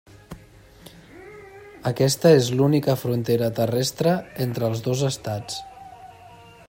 Aquesta és l'única frontera terrestre entre els dos Estats.